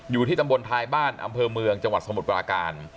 อยู่ที่ตำบลทายบ้านอำเภอเมืองจังหวัดสมุทรปราการ